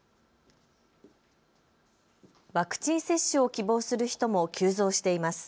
ワクチン接種を希望する人も急増しています。